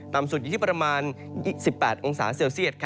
สุดอยู่ที่ประมาณ๒๘องศาเซลเซียต